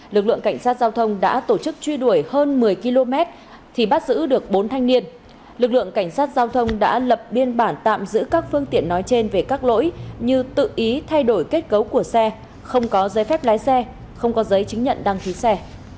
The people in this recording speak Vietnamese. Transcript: lực lượng cảnh sát giao thông đã tổ chức truy đuổi hơn một mươi km thì bắt giữ được bốn thanh niên lực lượng cảnh sát giao thông đã lập biên bản tạm giữ các phương tiện nói trên về các lỗi như tự ý thay đổi kết cấu của xe không có giấy phép lái xe không có giấy chứng nhận đăng ký xe